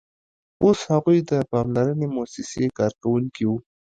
اوس هغوی د پاملرنې موسسې کارکوونکي وو